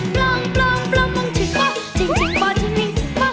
ปล้องปล้องปล้องมองชิงปะจริงจริงป่อจริงนิ่งจริงป่อ